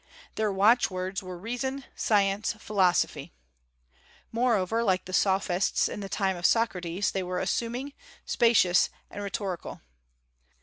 Their watchwords were Reason, Science, Philosophy. Moreover, like the Sophists in the time of Socrates, they were assuming, specious, and rhetorical.